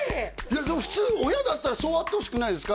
でも普通親だったらそうあってほしくないですか？